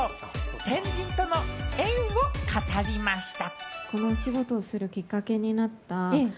天神との縁を語りました。